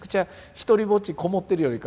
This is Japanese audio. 独りぼっちこもってるよりか